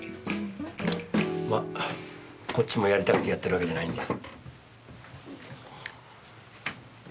まこっちもやりたくてやってるわけじゃないんで。